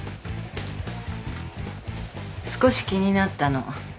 少し気になったの。